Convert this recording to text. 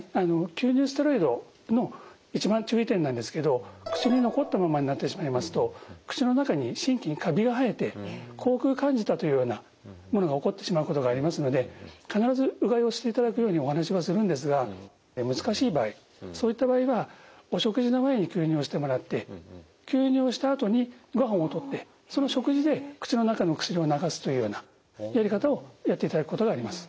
吸入ステロイドの一番注意点なんですけど薬残ったままになってしまいますと口の中に真菌カビが生えて口腔カンジダというようなものが起こってしまうことがありますので必ずうがいをしていただくようにお話はするんですが難しい場合そういった場合はお食事の前に吸入をしてもらって吸入をしたあとにごはんをとってその食事で口の中の薬を流すというようなやり方をやっていただくことがあります。